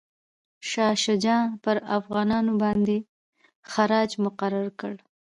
شاه شجاع پر افغانانو باندي خراج مقرر کړ.